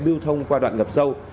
lưu thông qua đoạn ngập sâu